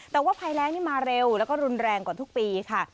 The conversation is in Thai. แต่ว่าภัยแรงนี่มาเร็วแล้วก็รุนแรงกว่าทุกปีค่ะ